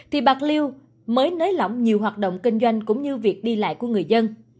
thì bạc liêu mới nới lỏng nhiều hoạt động kinh doanh cũng như việc đi lại của người dân